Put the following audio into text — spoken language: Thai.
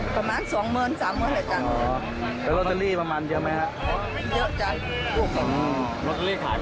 ประมาณสองเมตรสามเมตรแหละจำครับตัวเท่าไหร่ครับ